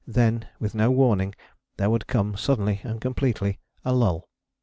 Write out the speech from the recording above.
Then, with no warning, there would come, suddenly and completely, a lull.